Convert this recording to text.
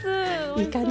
いい感じ？